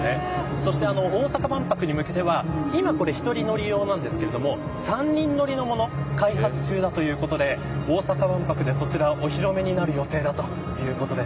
そして大阪万博に向けては今、これ１人乗り用なんですけれども３人乗りのものも開発中だということで、大阪万博でそちら、お披露目になる予定だということです。